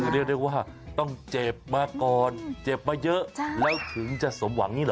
เรียกเว้าว่าเจ็บมาก่อนเจ็บมาเยอะแล้วถึงจะสมหวังนี่หรอ